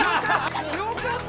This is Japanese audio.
よかった！